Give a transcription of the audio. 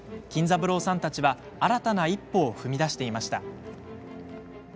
金三郎さんたちは新たな一歩を踏み出していました。